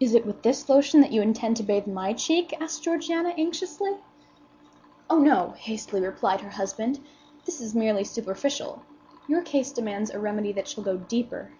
"Is it with this lotion that you intend to bathe my cheek?" asked Georgiana, anxiously. "Oh, no," hastily replied her husband; "this is merely superficial. Your case demands a remedy that shall go deeper."